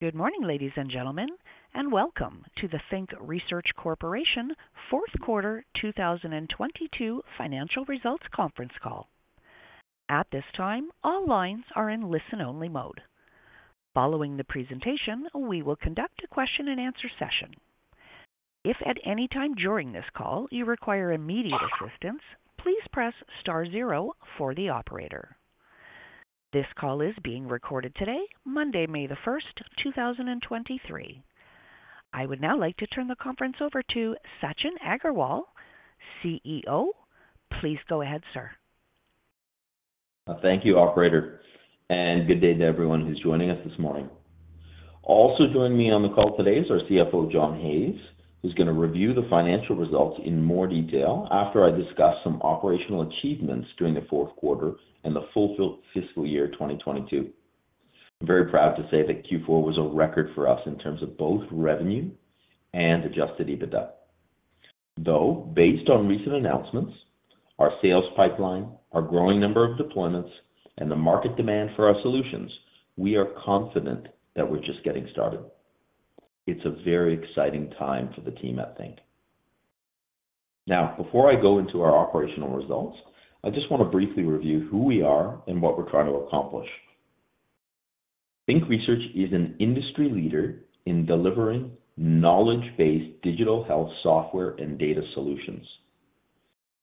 Good morning, ladies and gentlemen, and welcome to the Think Research Corporation fourth quarter 2022 financial results conference call. At this time, all lines are in listen-only mode. Following the presentation, we will conduct a question-and-answer session. If at any time during this call you require immediate assistance, please press star zero for the operator. This call is being recorded today, Monday, May 1, 2023. I would now like to turn the conference over to Sachin Aggarwal, CEO. Please go ahead, sir. Thank you, operator, and good day to everyone who's joining us this morning. Also joining me on the call today is our CFO, John Hayes, who's gonna review the financial results in more detail after I discuss some operational achievements during the fourth quarter and the full fiscal year 2022. I'm very proud to say that Q4 was a record for us in terms of both revenue and adjusted EBITDA. Based on recent announcements, our sales pipeline, our growing number of deployments, and the market demand for our solutions, we are confident that we're just getting started. It's a very exciting time for the team at Think. Before I go into our operational results, I just wanna briefly review who we are and what we're trying to accomplish. Think Research is an industry leader in delivering knowledge-based digital health software and data solutions.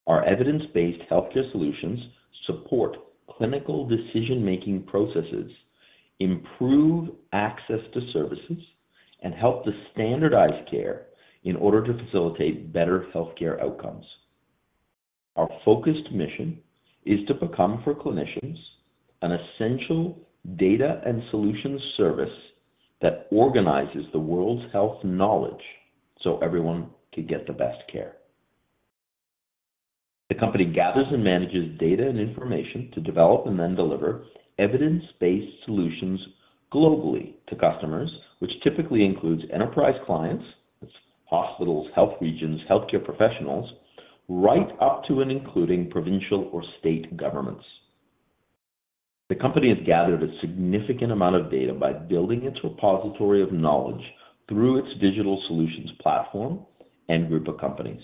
Our evidence-based healthcare solutions support clinical decision-making processes, improve access to services, and help to standardize care in order to facilitate better healthcare outcomes. Our focused mission is to become, for clinicians, an essential data and solutions service that organizes the world's health knowledge so everyone can get the best care. The company gathers and manages data and information to develop and then deliver evidence-based solutions globally to customers, which typically includes enterprise clients, hospitals, health regions, healthcare professionals, right up to and including provincial or state governments. The company has gathered a significant amount of data by building its repository of knowledge through its digital solutions platform and group of companies.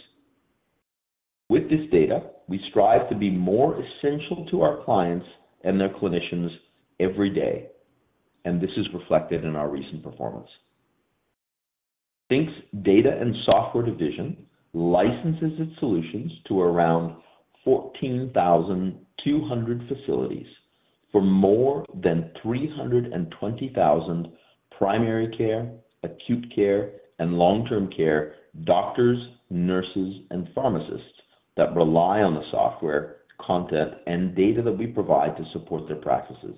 With this data, we strive to be more essential to our clients and their clinicians every day, and this is reflected in our recent performance. Think's data and software division licenses its solutions to around 14,200 facilities for more than 320,000 primary care, acute care, and long-term care doctors, nurses, and pharmacists that rely on the software, content, and data that we provide to support their practices.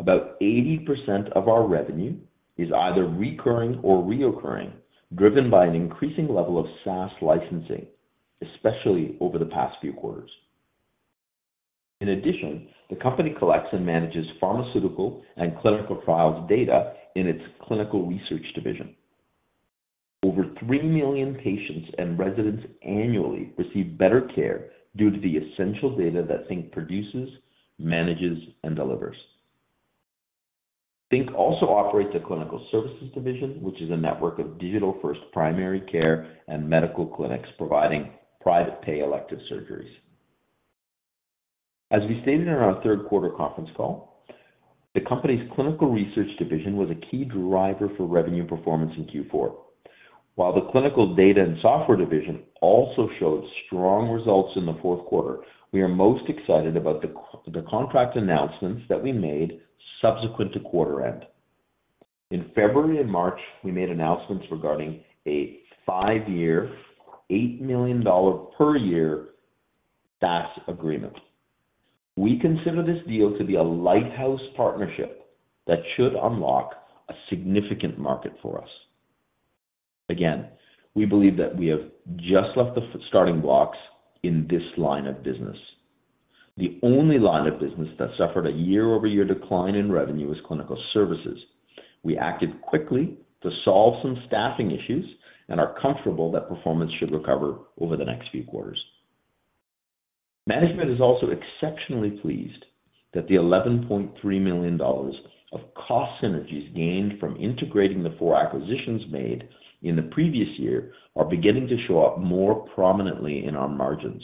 About 80% of our revenue is either recurring or reoccurring, driven by an increasing level of SaaS licensing, especially over the past few quarters. The company collects and manages pharmaceutical and clinical trials data in its clinical research division. Over 3 million patients and residents annually receive better care due to the essential data that Think produces, manages, and delivers. Think also operates a clinical services division, which is a network of digital-first primary care and medical clinics providing private pay elective surgeries. As we stated in our third quarter conference call, the company's clinical research division was a key driver for revenue performance in Q4. While the clinical data and software division also showed strong results in the fourth quarter, we are most excited about the contract announcements that we made subsequent to quarter end. In February and March, we made announcements regarding a 5-year, 8 million dollar per year SaaS agreement. We consider this deal to be a lighthouse partnership that should unlock a significant market for us. Again, we believe that we have just left the starting blocks in this line of business. The only line of business that suffered a year-over-year decline in revenue is clinical services. We acted quickly to solve some staffing issues and are comfortable that performance should recover over the next few quarters. Management is also exceptionally pleased that the 11.3 million dollars of cost synergies gained from integrating the four acquisitions made in the previous year are beginning to show up more prominently in our margins.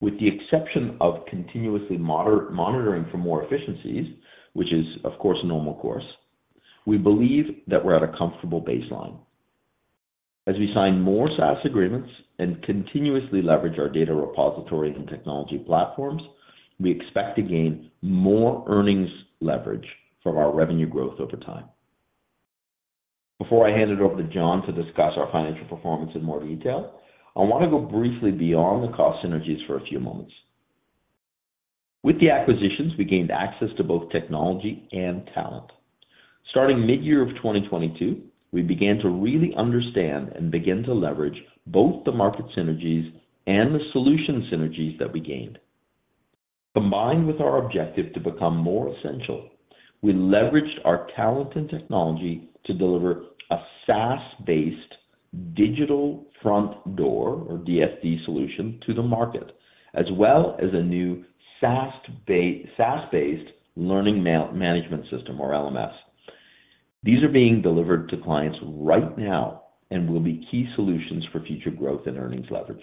With the exception of continuously monitoring for more efficiencies, which is of course normal course, we believe that we're at a comfortable baseline. As we sign more SaaS agreements and continuously leverage our data repositories and technology platforms, we expect to gain more earnings leverage from our revenue growth over time. Before I hand it over to John to discuss our financial performance in more detail, I wanna go briefly beyond the cost synergies for a few moments. With the acquisitions, we gained access to both technology and talent. Starting mid-year of 2022, we began to really understand and begin to leverage both the market synergies and the solution synergies that we gained. Combined with our objective to become more essential, we leveraged our talent and technology to deliver a SaaS-based Digital Front Door or DFD solution to the market, as well as a new SaaS-based learning management system or LMS. These are being delivered to clients right now and will be key solutions for future growth and earnings leverage.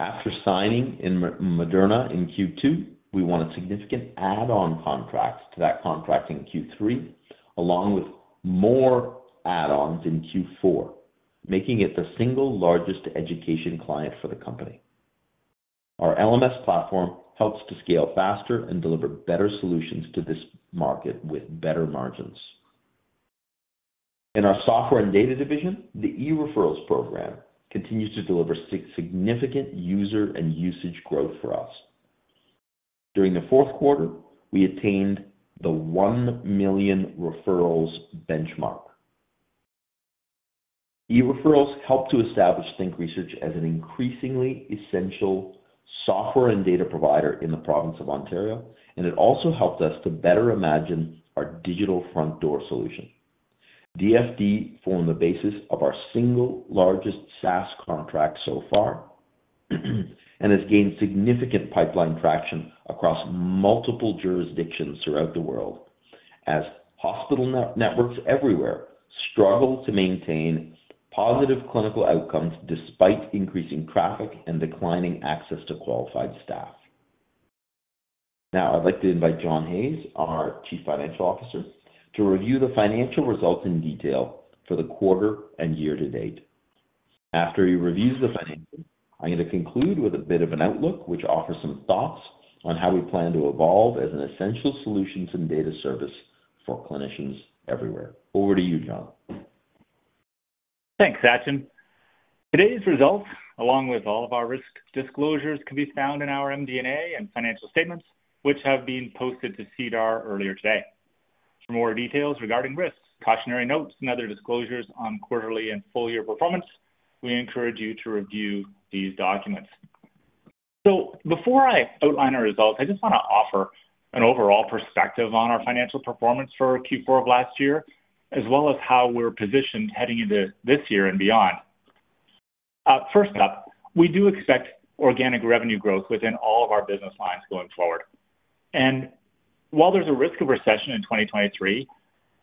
After signing Moderna in Q2, we won a significant add-on contracts to that contract in Q3, along with more add-ons in Q4, making it the single largest education client for the company. Our LMS platform helps to scale faster and deliver better solutions to this market with better margins. In our software and data division, the eReferrals program continues to deliver significant user and usage growth for us. During the fourth quarter, we attained the 1 million referrals benchmark. eReferrals help to establish Think Research as an increasingly essential software and data provider in the province of Ontario, and it also helped us to better imagine our Digital Front Door solution. DFD formed the basis of our single largest SaaS contract so far, and has gained significant pipeline traction across multiple jurisdictions throughout the world as hospital networks everywhere struggle to maintain positive clinical outcomes despite increasing traffic and declining access to qualified staff. Now, I'd like to invite John Hayes, our Chief Financial Officer, to review the financial results in detail for the quarter and year to date. After he reviews the financials, I'm gonna conclude with a bit of an outlook, which offers some thoughts on how we plan to evolve as an essential solutions and data service for clinicians everywhere. Over to you, John. Thanks, Sachin. Today's results, along with all of our risk disclosures, can be found in our MD&A and financial statements, which have been posted to SEDAR earlier today. For more details regarding risks, cautionary notes, and other disclosures on quarterly and full year performance, we encourage you to review these documents. Before I outline our results, I just wanna offer an overall perspective on our financial performance for Q4 of last year, as well as how we're positioned heading into this year and beyond. First up, we do expect organic revenue growth within all of our business lines going forward. While there's a risk of recession in 2023,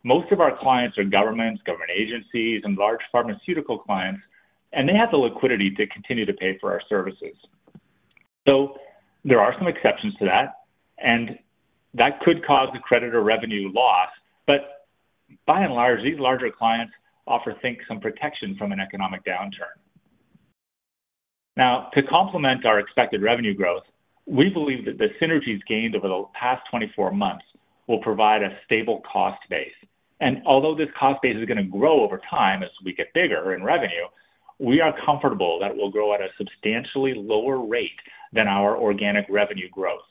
most of our clients are governments, government agencies, and large pharmaceutical clients, and they have the liquidity to continue to pay for our services. There are some exceptions to that, and that could cause a credit or revenue loss. By and large, these larger clients offer Think some protection from an economic downturn. To complement our expected revenue growth, we believe that the synergies gained over the past 24 months will provide a stable cost base. Although this cost base is gonna grow over time as we get bigger in revenue, we are comfortable that we'll grow at a substantially lower rate than our organic revenue growth.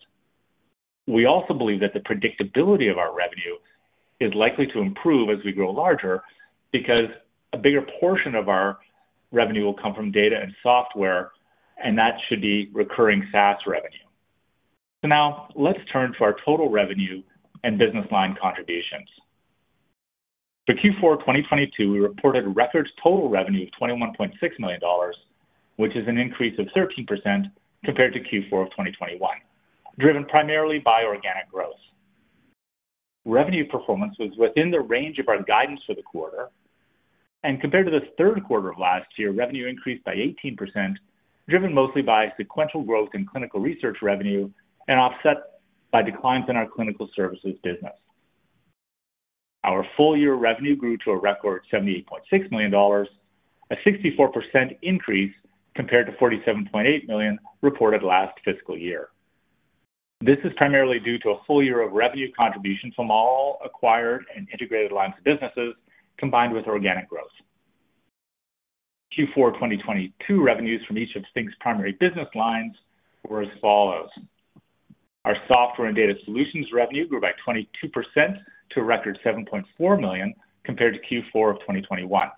We also believe that the predictability of our revenue is likely to improve as we grow larger because a bigger portion of our revenue will come from data and software, and that should be recurring SaaS revenue. Now let's turn to our total revenue and business line contributions. For Q4 2022, we reported record total revenue of 21.6 million dollars, which is an increase of 13% compared to Q4 of 2021, driven primarily by organic growth. Revenue performance was within the range of our guidance for the quarter. Compared to the third quarter of last year, revenue increased by 18%, driven mostly by sequential growth in clinical research revenue and offset by declines in our clinical services business. Our full year revenue grew to a record CAD 78.6 million, a 64% increase compared to CAD 47.8 million reported last fiscal year. This is primarily due to a full year of revenue contributions from all acquired and integrated lines of businesses, combined with organic growth. Q4 2022 revenues from each of Think's primary business lines were as follows: Our software and data solutions revenue grew by 22% to a record 7.4 million compared to Q4 of 2021.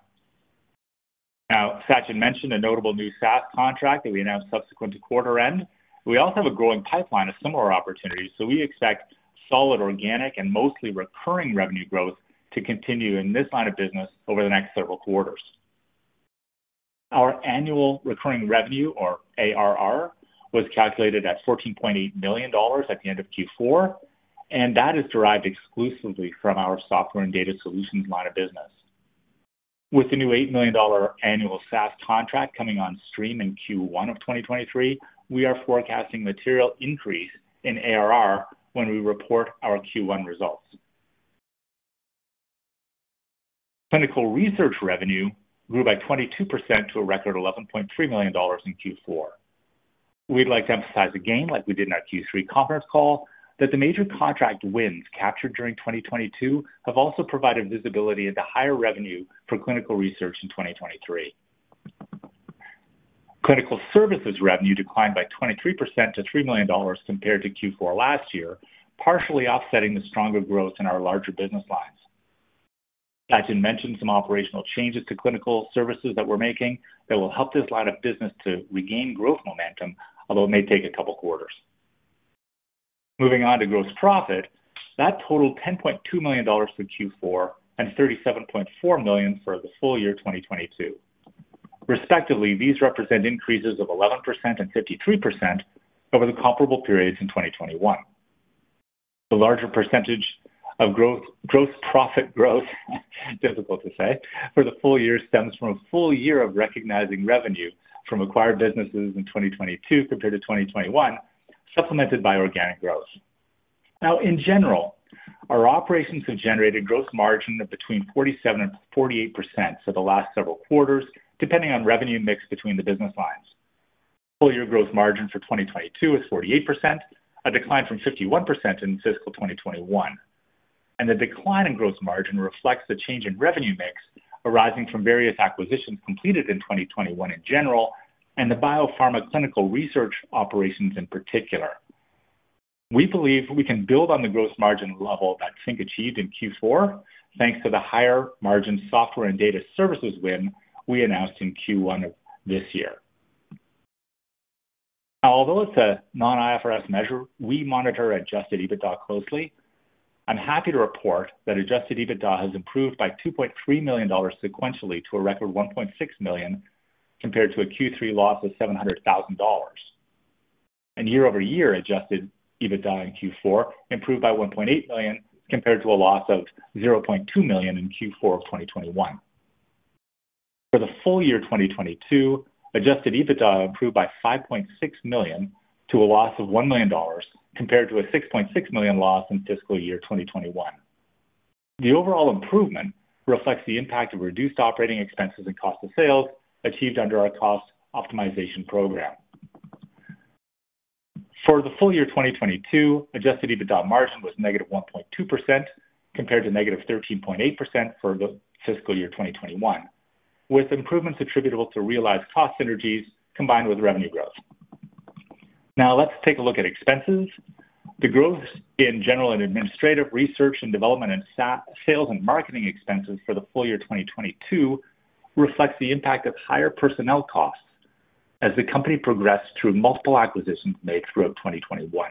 Sachin mentioned a notable new SaaS contract that we announced subsequent to quarter end. We also have a growing pipeline of similar opportunities, we expect solid organic and mostly recurring revenue growth to continue in this line of business over the next several quarters. Our annual recurring revenue or ARR, was calculated at 14.8 million dollars at the end of Q4, and that is derived exclusively from our software and data solutions line of business. With the new 8 million dollar annual SaaS contract coming on stream in Q1 of 2023, we are forecasting material increase in ARR when we report our Q1 results. Clinical research revenue grew by 22% to a record 11.3 million dollars in Q4. We'd like to emphasize again, like we did in our Q3 conference call, that the major contract wins captured during 2022 have also provided visibility into higher revenue for clinical research in 2023. Clinical services revenue declined by 23% to 3 million dollars compared to Q4 last year, partially offsetting the stronger growth in our larger business lines. Sachin mentioned some operational changes to clinical services that we're making that will help this line of business to regain growth momentum, although it may take a couple quarters. Moving on to gross profit, that totaled 10.2 million dollars for Q4 and 37.4 million for the full year 2022. Respectively, these represent increases of 11% and 53% over the comparable periods in 2021. The larger percentage of gross profit growth, difficult to say, for the full year stems from a full year of recognizing revenue from acquired businesses in 2022 compared to 2021, supplemented by organic growth. Now in general, our operations have generated gross margin of between 47% and 48% for the last several quarters, depending on revenue mix between the business lines. Full year gross margin for 2022 is 48%, a decline from 51% in fiscal 2021. The decline in gross margin reflects the change in revenue mix arising from various acquisitions completed in 2021 in general, and the biopharma clinical research operations in particular. We believe we can build on the gross margin level that Think achieved in Q4, thanks to the higher margin software and data services win we announced in Q1 of this year. Although it's a non-IFRS measure, we monitor adjusted EBITDA closely. I'm happy to report that adjusted EBITDA has improved by 2.3 million dollars sequentially to a record 1.6 million, compared to a Q3 loss of 700,000 dollars. Year-over-year, adjusted EBITDA in Q4 improved by 1.8 million, compared to a loss of 0.2 million in Q4 of 2021. For the full year 2022, adjusted EBITDA improved by 5.6 million to a loss of 1 million dollars, compared to a 6.6 million loss in fiscal year 2021. The overall improvement reflects the impact of reduced operating expenses and cost of sales achieved under our cost optimization program. For the full year 2022, adjusted EBITDA margin was -1.2% compared to -13.8% for the fiscal year 2021, with improvements attributable to realized cost synergies combined with revenue growth. Now let's take a look at expenses. The growth in general and administrative research and development and sales and marketing expenses for the full year 2022 reflects the impact of higher personnel costs as the company progressed through multiple acquisitions made throughout 2021.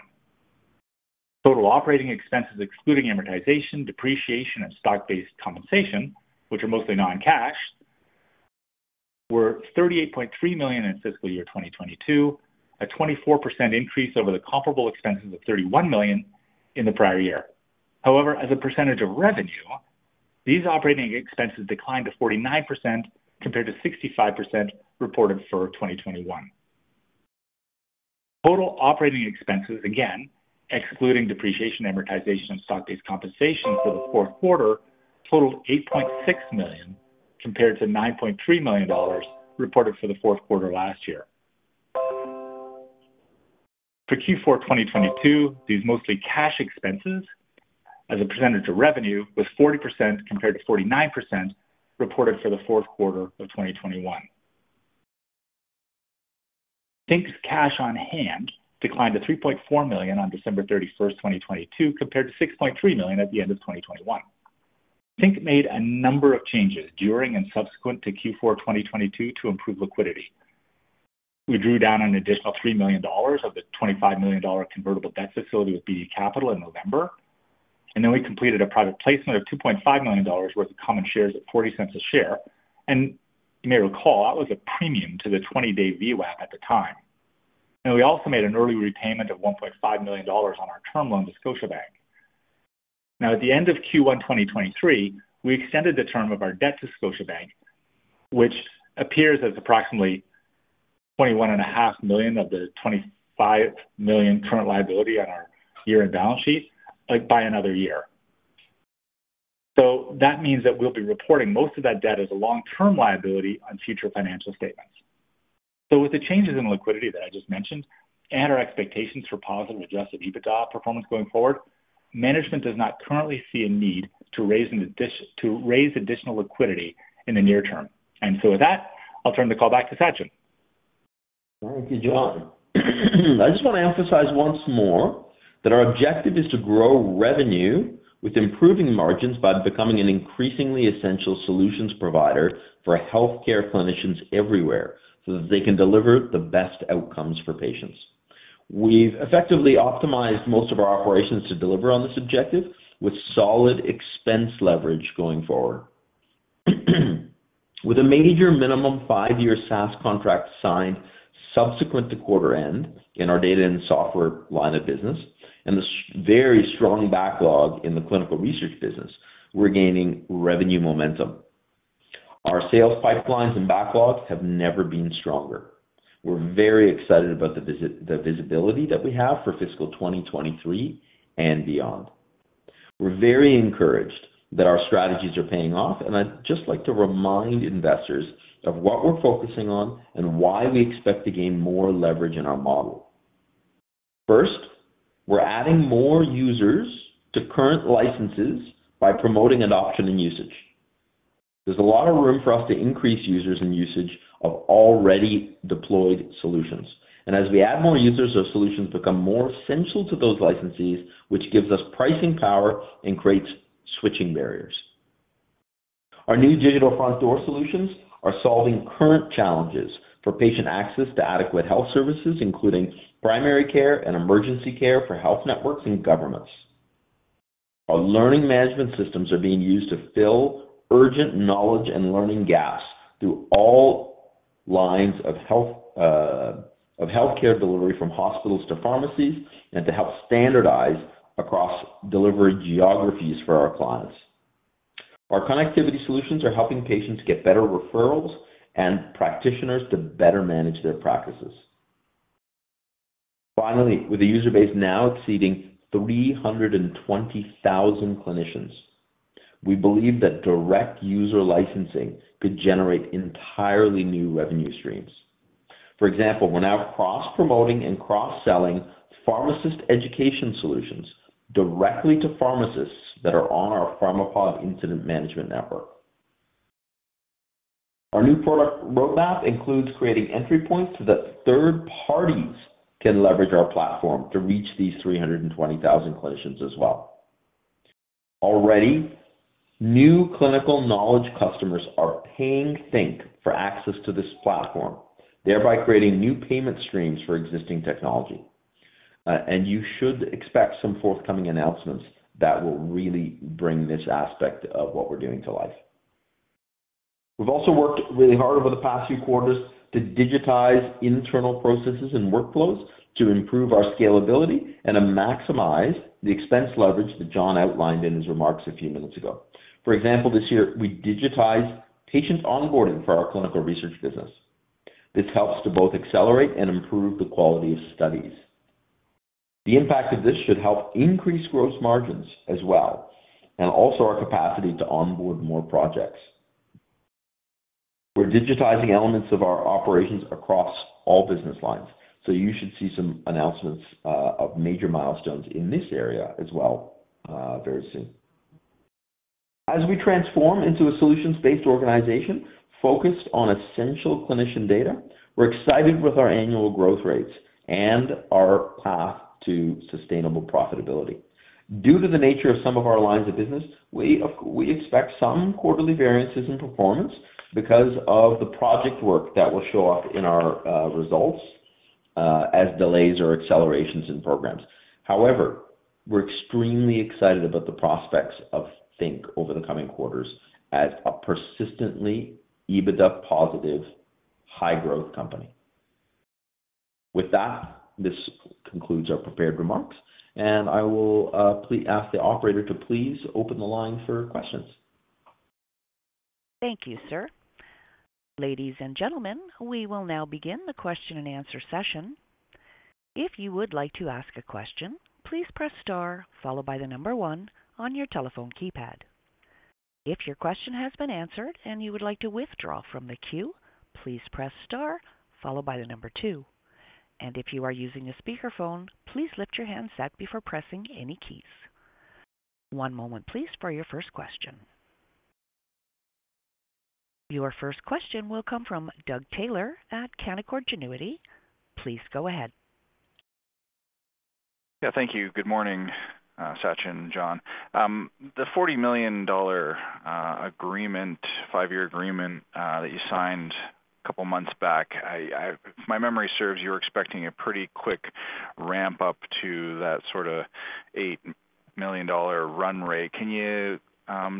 Total operating expenses excluding amortization, depreciation, and stock-based compensation, which are mostly non-cash, were 38.3 million in fiscal year 2022, a 24% increase over the comparable expenses of 31 million in the prior year. However, as a percentage of revenue, these operating expenses declined to 49% compared to 65% reported for 2021. Total operating expenses, again, excluding depreciation, amortization, and stock-based compensation for the fourth quarter totaled 8.6 million, compared to 9.3 million dollars reported for the fourth quarter last year. For Q4 2022, these mostly cash expenses as a percentage of revenue was 40% compared to 49% reported for the fourth quarter of 2021. Think's cash on hand declined to 3.4 million on December 31, 2022, compared to 6.3 million at the end of 2021. Think made a number of changes during and subsequent to Q4 2022 to improve liquidity. We drew down an additional 3 million dollars of the 25 million dollar convertible debt facility with Beedie Capital in November. We completed a private placement of 2.5 million dollars worth of common shares at 0.40 a share. You may recall that was a premium to the 20-day VWAP at the time. We also made an early repayment of 1.5 million dollars on our term loan to Scotiabank. At the end of Q1 2023, we extended the term of our debt to Scotiabank, which appears as approximately 21.5 million of the 25 million current liability on our year-end balance sheet, like, by another year. That means that we'll be reporting most of that debt as a long-term liability on future financial statements. With the changes in liquidity that I just mentioned and our expectations for positive adjusted EBITDA performance going forward, management does not currently see a need to raise additional liquidity in the near term. With that, I'll turn the call back to Sachin. Thank you, John. I just want to emphasize once more that our objective is to grow revenue with improving margins by becoming an increasingly essential solutions provider for healthcare clinicians everywhere so that they can deliver the best outcomes for patients. We've effectively optimized most of our operations to deliver on this objective with solid expense leverage going forward. With a major minimum 5-year SaaS contract signed subsequent to quarter end in our data and software line of business and very strong backlog in the clinical research business, we're gaining revenue momentum. Our sales pipelines and backlogs have never been stronger. We're very excited about the visibility that we have for fiscal 2023 and beyond. We're very encouraged that our strategies are paying off. I'd just like to remind investors of what we're focusing on and why we expect to gain more leverage in our model. First, we're adding more users to current licenses by promoting adoption and usage. There's a lot of room for us to increase users and usage of already deployed solutions. As we add more users, those solutions become more essential to those licensees, which gives us pricing power and creates switching barriers. Our new Digital Front Door solutions are solving current challenges for patient access to adequate health services, including primary care and emergency care for health networks and governments. Our learning management systems are being used to fill urgent knowledge and learning gaps through all lines of healthcare delivery, from hospitals to pharmacies, and to help standardize across delivery geographies for our clients. Our connectivity solutions are helping patients get better referrals and practitioners to better manage their practices. Finally, with a user base now exceeding 320,000 clinicians, we believe that direct user licensing could generate entirely new revenue streams. For example, we're now cross-promoting and cross-selling pharmacist education solutions directly to pharmacists that are on our Pharmapod incident management network. Our new product roadmap includes creating entry points so that third parties can leverage our platform to reach these 320,000 clinicians as well. Already, new clinical knowledge customers are paying Think for access to this platform, thereby creating new payment streams for existing technology. You should expect some forthcoming announcements that will really bring this aspect of what we're doing to life. We've also worked really hard over the past few quarters to digitize internal processes and workflows to improve our scalability and to maximize the expense leverage that John outlined in his remarks a few minutes ago. For example, this year we digitized patient onboarding for our clinical research business. This helps to both accelerate and improve the quality of studies. The impact of this should help increase gross margins as well, and also our capacity to onboard more projects. We're digitizing elements of our operations across all business lines, so you should see some announcements of major milestones in this area as well very soon. As we transform into a solutions-based organization focused on essential clinician data, we're excited with our annual growth rates and our path to sustainable profitability. Due to the nature of some of our lines of business, we expect some quarterly variances in performance because of the project work that will show up in our results as delays or accelerations in programs. We're extremely excited about the prospects of Think over the coming quarters as a persistently EBITDA positive high-growth company. This concludes our prepared remarks. I will ask the operator to please open the line for questions. Thank you, sir. Ladies and gentlemen, we will now begin the question-and-answer session. If you would like to ask a question, please press star followed by the number 1 on your telephone keypad. If your question has been answered and you would like to withdraw from the queue, please press star followed by the number 2. If you are using a speakerphone, please lift your handset before pressing any keys. One moment please for your first question. Your first question will come from Doug Taylor at Canaccord Genuity. Please go ahead. Thank you. Good morning, Sachin, John. The 40 million dollar agreement, 5-year agreement, that you signed a couple months back. If my memory serves, you were expecting a pretty quick ramp up to that sort of 8 million dollar run rate. Can you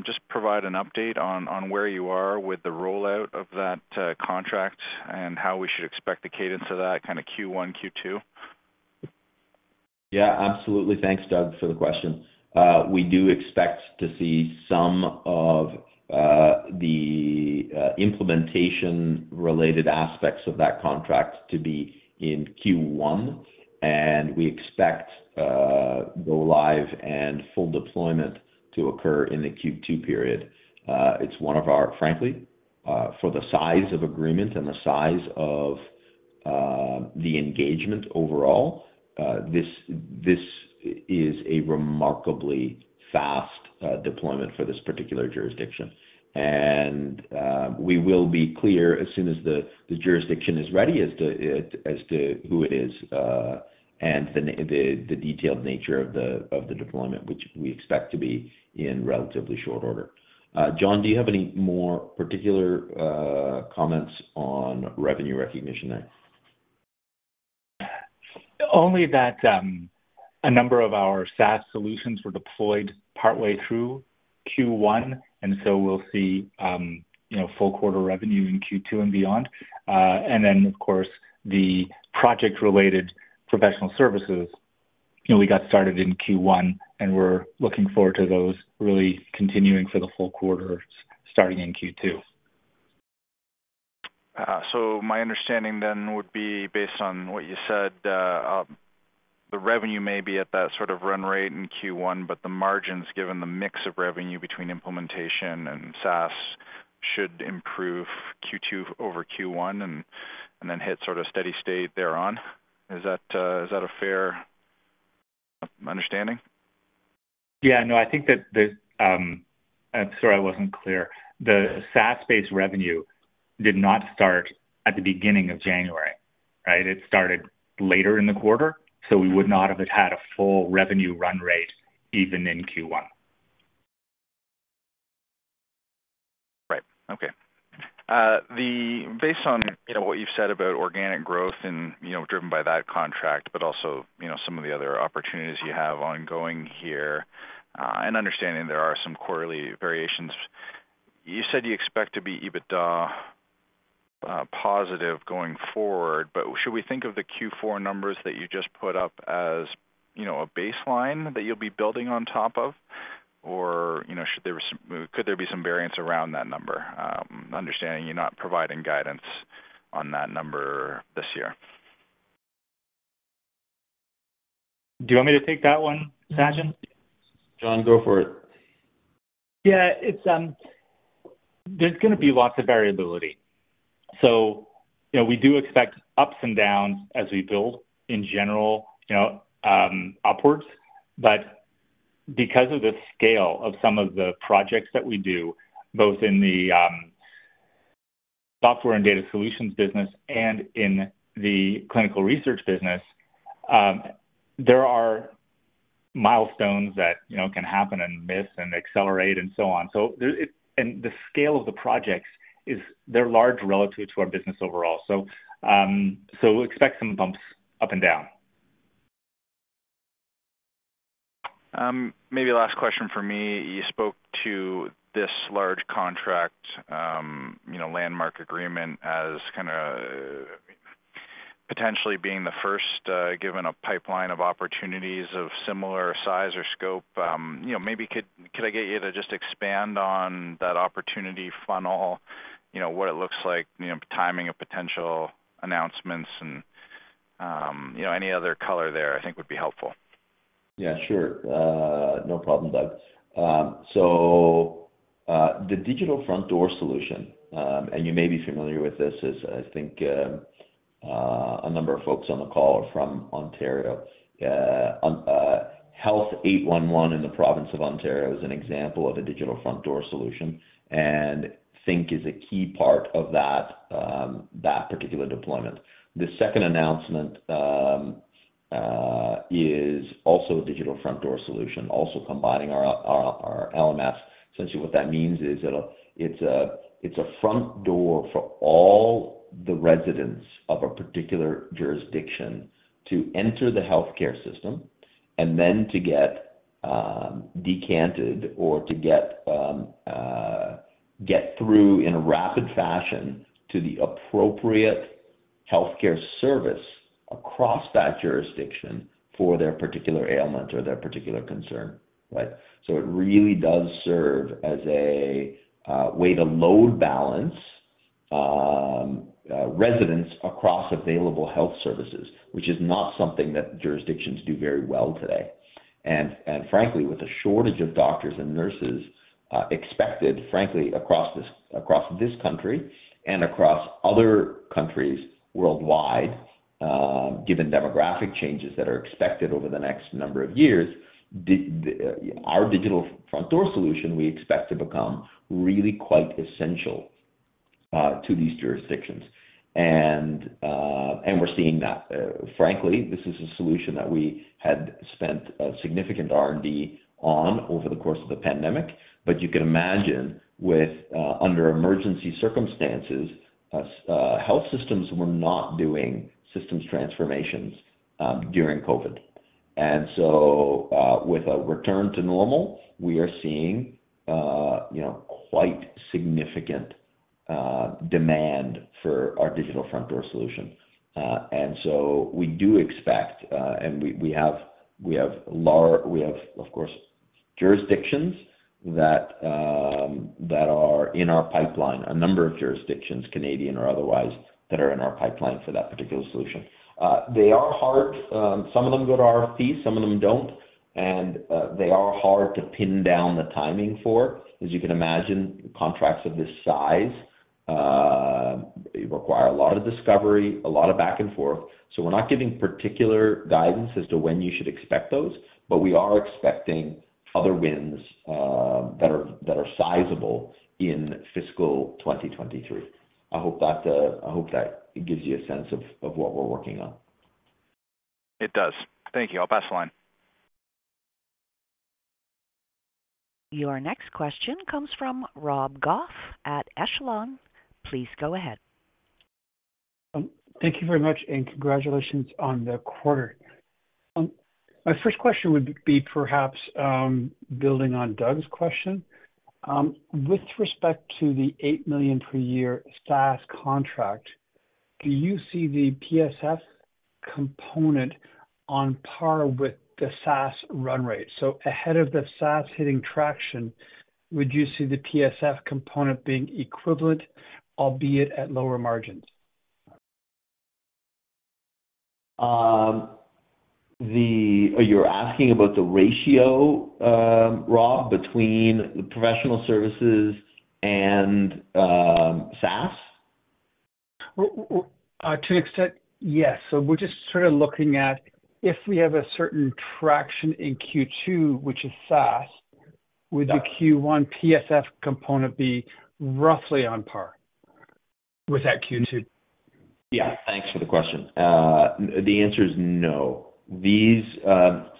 just provide an update on where you are with the rollout of that contract and how we should expect the cadence of that kind of Q1, Q2? Absolutely. Thanks, Doug, for the question. We do expect to see some of the implementation-related aspects of that contract to be in Q1, and we expect go live and full deployment to occur in the Q2 period. Frankly, for the size of agreement and the size of the engagement overall, this is a remarkably fast deployment for this particular jurisdiction. We will be clear as soon as the jurisdiction is ready as to who it is, and the detailed nature of the deployment, which we expect to be in relatively short order. John, do you have any more particular comments on revenue recognition there? Only that a number of our SaaS solutions were deployed partway through Q1, and so we'll see, you know, full quarter revenue in Q2 and beyond. Of course, the project-related professional services, you know, we got started in Q1, and we're looking forward to those really continuing for the full quarter starting in Q2. My understanding then would be based on what you said, the revenue may be at that sort of run rate in Q1, but the margins, given the mix of revenue between implementation and SaaS, should improve Q2 over Q1 and then hit sort of steady state thereon. Is that, is that a fair understanding? Sorry I wasn't clear. The SaaS-based revenue did not start at the beginning of January. It started later in the quarter, so we would not have had a full revenue run rate even in Q1. Right. Okay. Based on, you know, what you've said about organic growth and, you know, driven by that contract, but also, you know, some of the other opportunities you have ongoing here, and understanding there are some quarterly variations. You said you expect to be EBITDA positive going forward. Should we think of the Q4 numbers that you just put up as, you know, a baseline that you'll be building on top of? You know, could there be some variance around that number? Understanding you're not providing guidance on that number this year. Do you want me to take that one, Sajen? John, go for it. Yeah. It's gonna be lots of variability. You know, we do expect ups and downs as we build in general, you know, upwards. Because of the scale of some of the projects that we do, both in the software and data solutions business and in the clinical research business, there are milestones that, you know, can happen and miss and accelerate and so on. The scale of the projects is they're large relative to our business overall. Expect some bumps up and down. Maybe last question for me. You spoke to this large contract, you know, landmark agreement as kinda potentially being the first, given a pipeline of opportunities of similar size or scope. You know, maybe could I get you to just expand on that opportunity funnel, you know, what it looks like, you know, timing of potential announcements and, you know, any other color there I think would be helpful? Sure. No problem, Doug. The Digital Front Door solution, you may be familiar with this as I think a number of folks on the call are from Ontario. Health811 in the province of Ontario is an example of a Digital Front Door solution. Think is a key part of that particular deployment. The second announcement is also a Digital Front Door solution, also combining our LMS. Essentially what that means is it's a, it's a front door for all the residents of a particular jurisdiction to enter the healthcare system and then to get decanted or to get through in a rapid fashion to the appropriate healthcare service across that jurisdiction for their particular ailment or their particular concern. Right? It really does serve as a way to load balance residents across available health services, which is not something that jurisdictions do very well today. Frankly, with a shortage of doctors and nurses expected, frankly, across this, across this country and across other countries worldwide, given demographic changes that are expected over the next number of years, our Digital Front Door solution, we expect to become really quite essential to these jurisdictions. We're seeing that. Frankly, this is a solution that we had spent a significant R&D on over the course of the pandemic. You can imagine with under emergency circumstances, health systems were not doing systems transformations during COVID. With a return to normal, we are seeing, you know, quite significant demand for our Digital Front Door solution. We do expect, and we have, of course, jurisdictions that are in our pipeline, a number of jurisdictions, Canadian or otherwise, that are in our pipeline for that particular solution. They are hard. Some of them go to RFP, some of them don't. They are hard to pin down the timing for. As you can imagine, contracts of this size require a lot of discovery, a lot of back and forth. We're not giving particular guidance as to when you should expect those, but we are expecting other wins that are sizable in fiscal 2023. I hope that, I hope that gives you a sense of what we're working on. It does. Thank you. I'll pass the line. Your next question comes from Rob Goff at Echelon. Please go ahead. Thank you very much. Congratulations on the quarter. My first question would be perhaps, building on Doug's question. With respect to the 8 million per year SaaS contract, do you see the PSF component on par with the SaaS run rate? Ahead of the SaaS hitting traction, would you see the PSF component being equivalent, albeit at lower margins? You're asking about the ratio, Rob, between the professional services and SaaS? To an extent, yes. We're just sort of looking at if we have a certain traction in Q2, which is SaaS.Would the Q1 PSF component be roughly on par with that Q2? Yeah. Thanks for the question. The answer is no. Their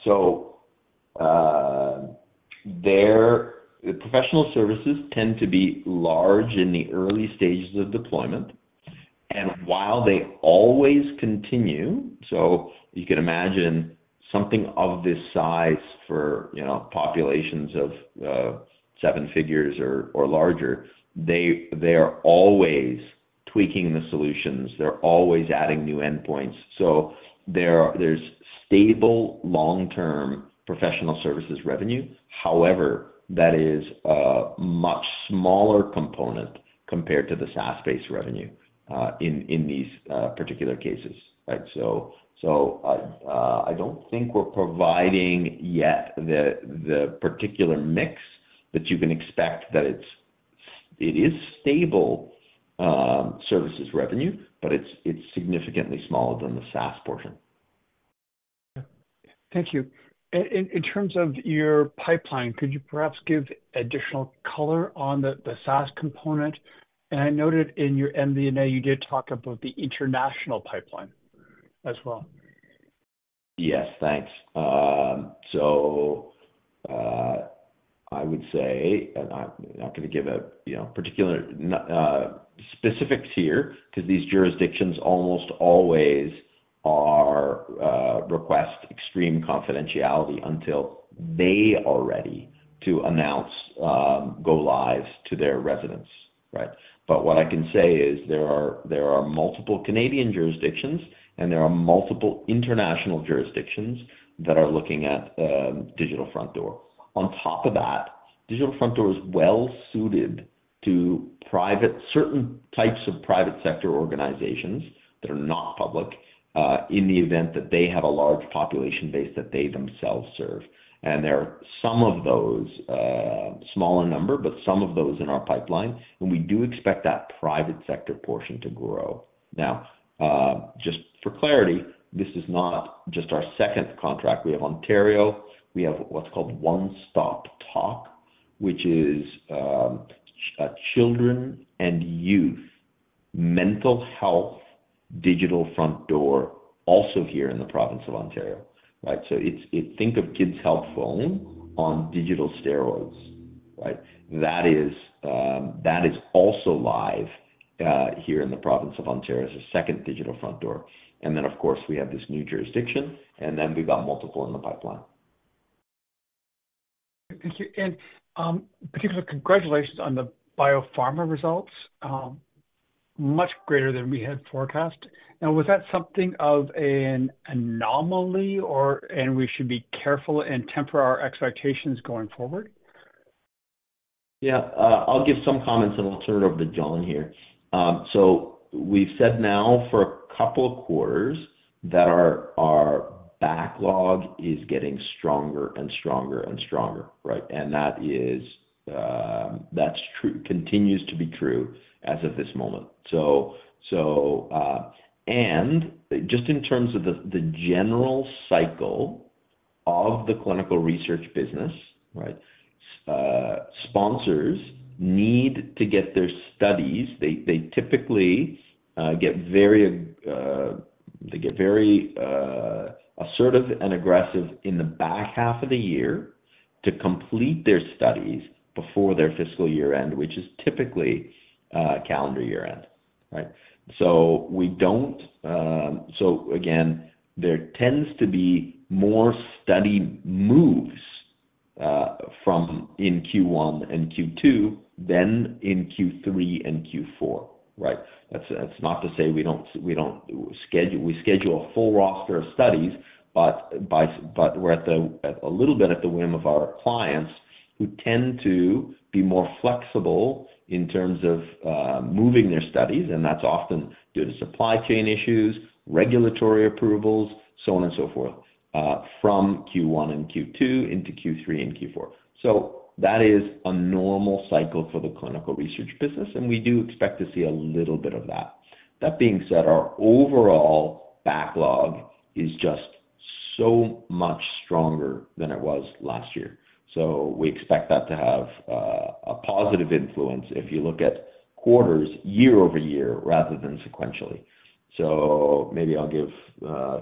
professional services tend to be large in the early stages of deployment and while they always continue, you can imagine something of this size for, you know, populations of 7 figures or larger, they are always tweaking the solutions. They're always adding new endpoints. There's stable long-term professional services revenue. However, that is a much smaller component compared to the SaaS-based revenue in these particular cases, right. I don't think we're providing yet the particular mix that you can expect that it is stable services revenue, but it's significantly smaller than the SaaS portion. Thank you. In terms of your pipeline, could you perhaps give additional color on the SaaS component? I noted in your MD&A you did talk about the international pipeline as well. Yes. Thanks. I would say, and I'm not gonna give a, you know, particular specifics here, 'cause these jurisdictions almost always are request extreme confidentiality until they are ready to announce go live to their residents, right? What I can say is there are multiple Canadian jurisdictions, and there are multiple international jurisdictions that are looking at Digital Front Door. On top of that, Digital Front Door is well-suited to certain types of private sector organizations that are not public in the event that they have a large population base that they themselves serve. There are some of those, smaller number, but some of those in our pipeline, and we do expect that private sector portion to grow. Just for clarity, this is not just our second contract. We have Ontario, we have what's called One Stop Talk, which is children and youth mental health Digital Front Door, also here in the province of Ontario, right? It's, think of Kids Help Phone on digital steroids, right? That is also live here in the province of Ontario as a second Digital Front Door. Of course we have this new jurisdiction, then we've got multiple in the pipeline. Thank you. Particular congratulations on the biopharma results, much greater than we had forecast. Was that something of an anomaly or, and we should be careful and temper our expectations going forward? Yeah. I'll give some comments, and I'll turn it over to John here. We've said now for a couple of quarters that our backlog is getting stronger and stronger and stronger, right? That is, that's true. Continues to be true as of this moment. Just in terms of the general cycle of the clinical research business, right, sponsors need to get their studies. They typically get very assertive and aggressive in the back half of the year to complete their studies before their fiscal year end, which is typically calendar year end, right? Again, there tends to be more study moves from in Q1 and Q2 than in Q3 and Q4, right? That's not to say we don't schedule. We schedule a full roster of studies, but we're at the, a little bit at the whim of our clients who tend to be more flexible in terms of moving their studies. That's often due to supply chain issues, regulatory approvals, so on and so forth, from Q1 and Q2 into Q3 and Q4. That is a normal cycle for the clinical research business, and we do expect to see a little bit of that. That being said, our overall backlog is just so much stronger than it was last year. We expect that to have a positive influence if you look at quarters year-over-year rather than sequentially. Maybe I'll give,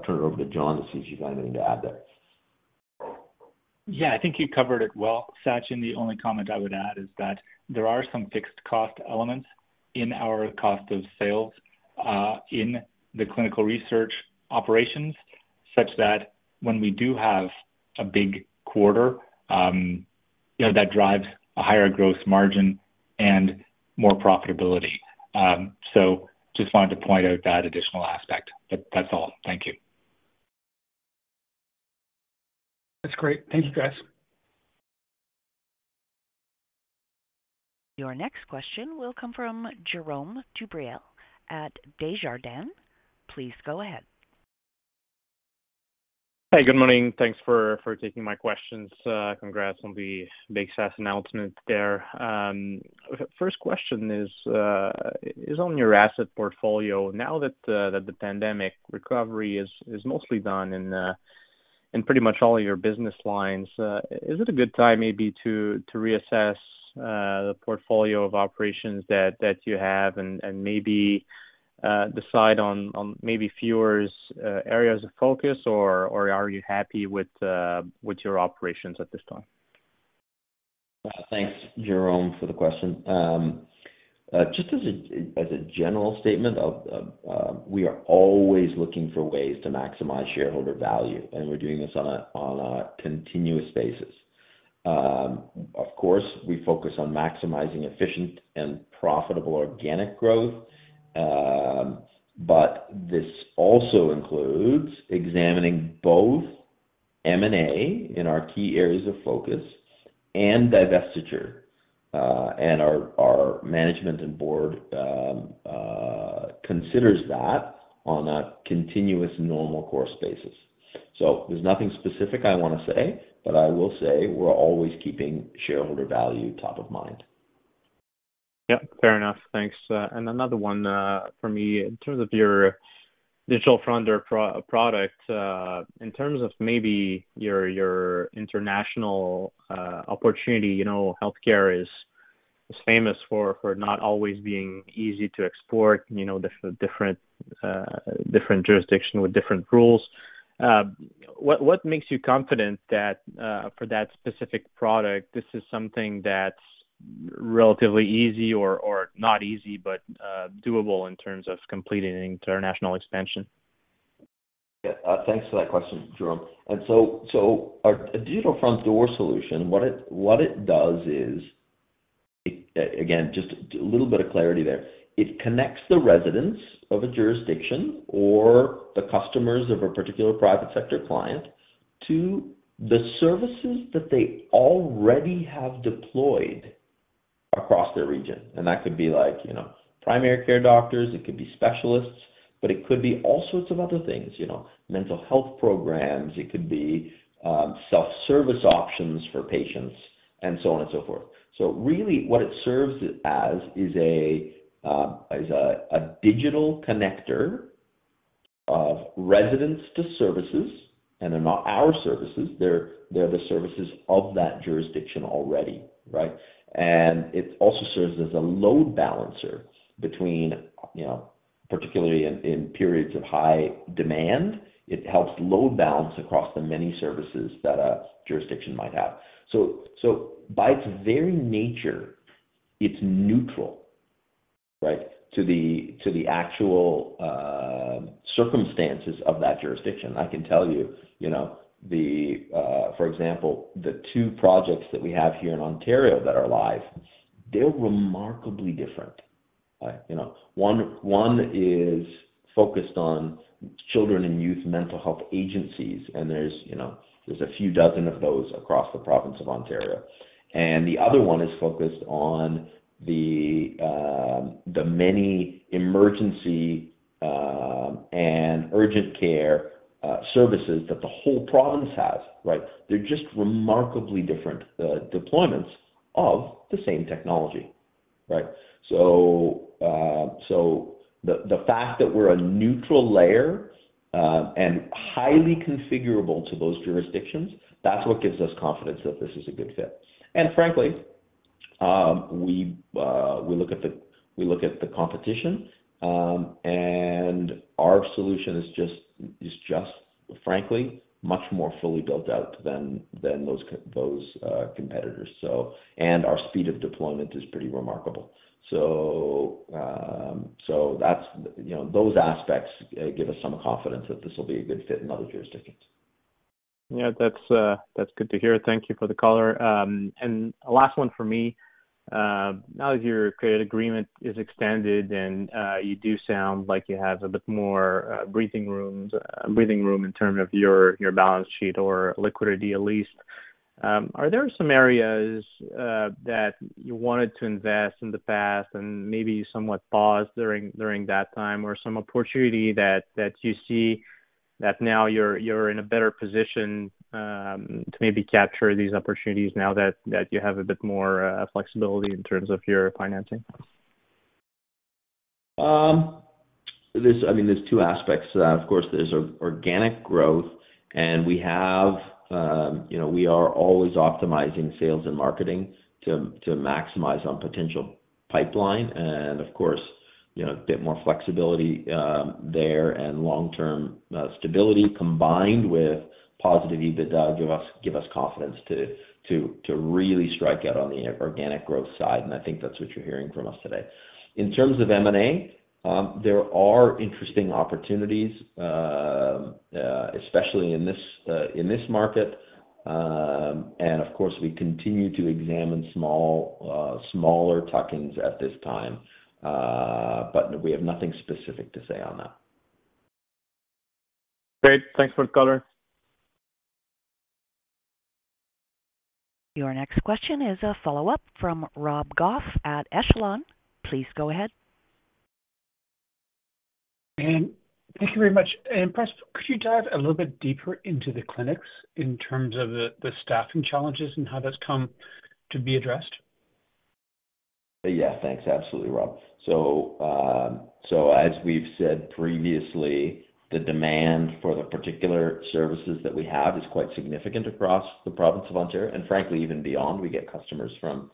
turn it over to John to see if you got anything to add there? Yeah, I think you covered it well, Sachin. The only comment I would add is that there are some fixed cost elements in our cost of sales, in the clinical research operations, such that when we do have a big quarter, you know, that drives a higher growth margin and more profitability. Just wanted to point out that additional aspect. That's all. Thank you. That's great. Thank you, guys. Your next question will come from Jerome Dubreuil at Desjardins. Please go ahead. Hey, good morning. Thanks for taking my questions. Congrats on the big SaaS announcement there. First question is on your asset portfolio. Now that the pandemic recovery is mostly done and in pretty much all your business lines, is it a good time maybe to reassess the portfolio of operations that you have and maybe decide on maybe fewer areas of focus or are you happy with your operations at this time? Thanks, Jerome, for the question. Just as a, as a general statement of, we are always looking for ways to maximize shareholder value, and we're doing this on a, on a continuous basis. Of course, we focus on maximizing efficient and profitable organic growth. But this also includes examining both M&A in our key areas of focus and divestiture. Our, our management and board considers that on a continuous normal course basis. There's nothing specific I wanna say, but I will say we're always keeping shareholder value top of mind. Yep, fair enough. Thanks. Another one for me. In terms of your Digital Front Door product, in terms of maybe your international opportunity, you know, healthcare is famous for not always being easy to export, you know, different jurisdiction with different rules. What makes you confident that for that specific product, this is something that's relatively easy or not easy, but doable in terms of completing international expansion? Yeah. Thanks for that question, Jerome. Our Digital Front Door solution, what it does is it again, just a little bit of clarity there. It connects the residents of a jurisdiction or the customers of a particular private sector client to the services that they already have deployed across their region. That could be like, you know, primary care doctors, it could be specialists, it could be all sorts of other things, you know, mental health programs, it could be self-service options for patients and so on and so forth. Really what it serves as is a digital connector of residents to services, they're not our services, they're the services of that jurisdiction already, right? It also serves as a load balancer between, you know, particularly in periods of high demand, it helps load balance across the many services that a jurisdiction might have. By its very nature, it's neutral, right, to the actual circumstances of that jurisdiction. I can tell you know, for example, the two projects that we have here in Ontario that are live, they're remarkably different. You know, one is focused on children and youth mental health agencies, and there's, you know, there's a few dozen of those across the province of Ontario. The other one is focused on the many emergency and urgent care services that the whole province has, right? They're just remarkably different deployments of the same technology, right? The fact that we're a neutral layer and highly configurable to those jurisdictions, that's what gives us confidence that this is a good fit. Frankly, we look at the competition, and our solution is just, frankly, much more fully built out than those competitors. Our speed of deployment is pretty remarkable. That's... You know, those aspects give us some confidence that this will be a good fit in other jurisdictions. Yeah, that's good to hear. Thank you for the color. Last one for me. Now that your credit agreement is extended and you do sound like you have a bit more breathing room in terms of your balance sheet or liquidity at least, are there some areas that you wanted to invest in the past and maybe you somewhat paused during that time or some opportunity that you see that now you're in a better position to maybe capture these opportunities now that you have a bit more flexibility in terms of your financing? I mean, there's two aspects to that. Of course, there's organic growth, and we have, you know, we are always optimizing sales and marketing to maximize on potential pipeline. Of course, you know, a bit more flexibility there and long-term stability combined with positive EBITDA give us confidence to really strike out on the organic growth side. I think that's what you're hearing from us today. In terms of M&A, there are interesting opportunities especially in this market. Of course, we continue to examine small, smaller tuck-ins at this time. We have nothing specific to say on that. Great. Thanks for the color. Your next question is a follow-up from Rob Goff at Echelon. Please go ahead. Thank you very much. Preston, could you dive a little bit deeper into the clinics in terms of the staffing challenges and how that's come to be addressed? Thanks. Absolutely, Rob. As we've said previously, the demand for the particular services that we have is quite significant across the province of Ontario and frankly, even beyond. We get customers from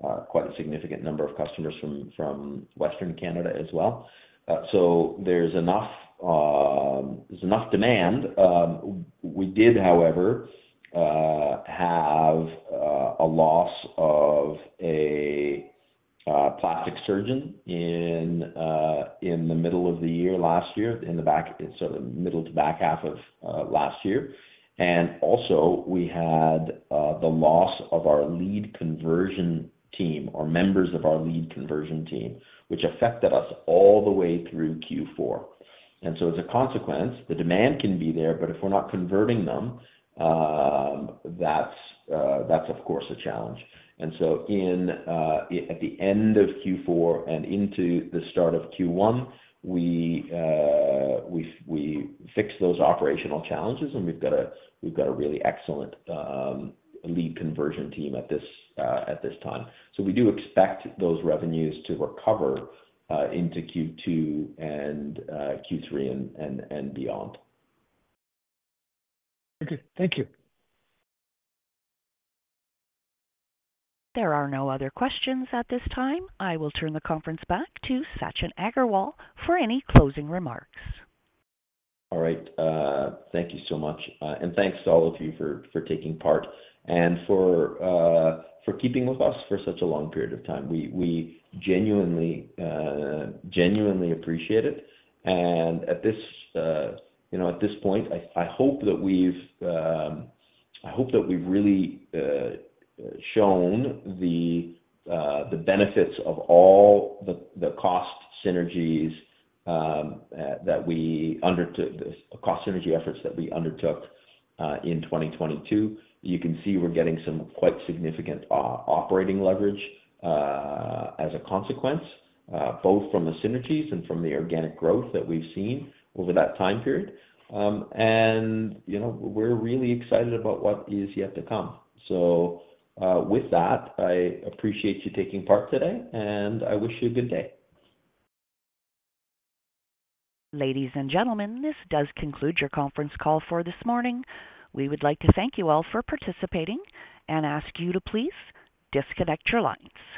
quite a significant number of customers from Western Canada as well. So there's enough demand. We did, however, have a loss of a plastic surgeon in the middle of the year last year, so the middle to back half of last year. Also we had the loss of our lead conversion team or members of our lead conversion team, which affected us all the way through Q4. As a consequence, the demand can be there, but if we're not converting them, that's of course a challenge. In, at the end of Q4 and into the start of Q1, we fixed those operational challenges. We've got a really excellent, lead conversion team at this time. We do expect those revenues to recover, into Q2 and Q3 and beyond. Okay. Thank you. There are no other questions at this time. I will turn the conference back to Sachin Aggarwal for any closing remarks. All right. Thank you so much. Thanks to all of you for taking part and for keeping with us for such a long period of time. We genuinely appreciate it. At this, you know, at this point, I hope that we've really shown the benefits of all the cost synergies, cost synergy efforts that we undertook, in 2022. You can see we're getting some quite significant operating leverage, as a consequence, both from the synergies and from the organic growth that we've seen over that time period. You know, we're really excited about what is yet to come. With that, I appreciate you taking part today, and I wish you a good day. Ladies and gentlemen, this does conclude your conference call for this morning. We would like to thank you all for participating and ask you to please disconnect your lines.